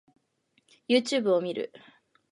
Youtube を見る